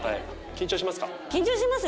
緊張します。